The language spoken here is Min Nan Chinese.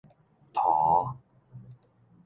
塗